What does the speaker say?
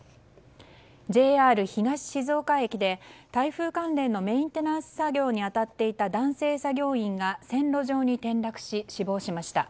ＪＲ東静岡駅で台風関連のメンテナンス作業に当たっていた男性作業員が線路上に転落し、死亡しました。